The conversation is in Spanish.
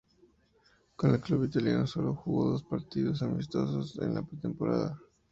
Con el club italiano solo jugo partidos amistosos de la pretemporada.